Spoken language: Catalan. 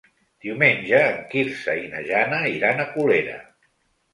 Diumenge en Quirze i na Jana iran a Colera.